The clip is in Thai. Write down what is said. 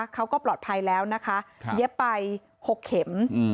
เขาก็ปลอดภัยแล้วนะคะเย็บไป๖เข็ม